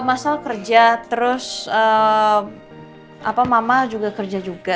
masa kerja terus mama juga kerja juga